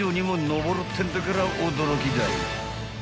上るってんだから驚きだい］